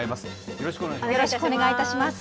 よろしくお願いします。